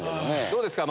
どうですか？